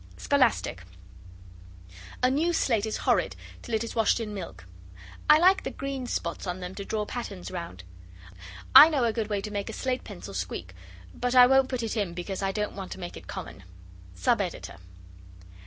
SCHOLASTIC A new slate is horrid till it is washed in milk. I like the green spots on them to draw patterns round. I know a good way to make a slate pencil squeak, but I won't put it in because I don't want to make it common. SUB EDITOR.